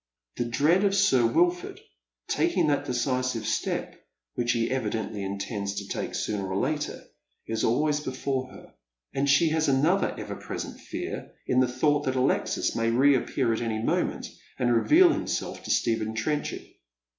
The dread of Sir Wilford taking that decisive step, which he evidently intends to take sooner or later, is always before her ; and she has another ever present fear in the thought tliat Alexis may reappear at any moment, and reveal himself to Stephen Trenchard.